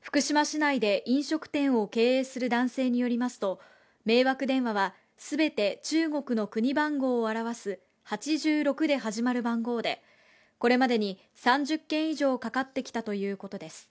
福島市内で飲食店を経営する男性によりますと、迷惑電話は全て中国の国番号を表す８６で始まる番号で、これまでに３０件以上かかってきたということです。